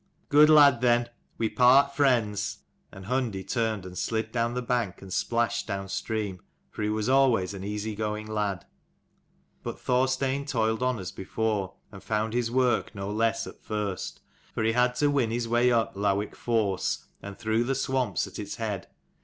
"Good lad, then; we part friends:" and Hundi turned and slid down the bank and splashed down stream: for he was always an easy going lad. But Thorstein toiled on as before, and found his work no less, at first : for he had to win his way up Lowick force and through the swamps at its head.